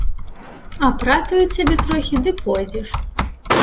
Апратаю цябе трохі ды пойдзеш.